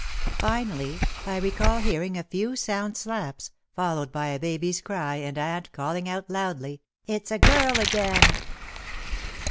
Finally, I recall hearing a few sound slaps, fol lowed by a baby's cry and aunt calling out loudly, "It's a girl again."